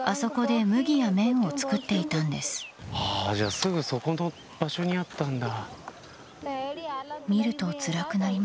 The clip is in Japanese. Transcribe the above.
すぐそこの場所にあったんだ。